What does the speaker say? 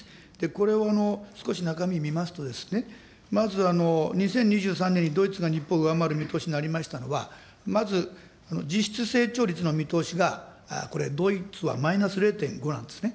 これを少し中身見ますとですね、まず、２０２３年にドイツが日本を上回る見通しとなりましたのは、まず、実質成長率の見通しが、これ、ドイツはマイナス０．５なんですね。